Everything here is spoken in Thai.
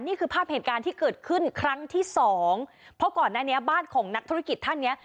นี่คือภาพเหตุการณ์ที่เกิดขึ้นครั้งที่สองเพราะก่อนหน้านี้บ้านของนักธุรกิจท่านเนี้ย